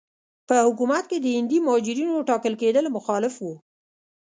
په حکومت کې د هندي مهاجرینو ټاکل کېدل مخالف وو.